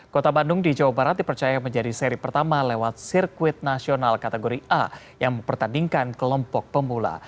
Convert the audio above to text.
kota bandung di jawa barat dipercaya menjadi seri pertama lewat sirkuit nasional kategori a yang mempertandingkan kelompok pemula